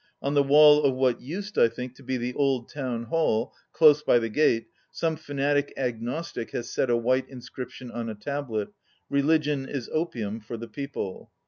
On the wall of what used, I think, to be the old town hall, close by the gate, some fanatic agnostic has set a white inscription on a tablet, "Religion is opium for the People."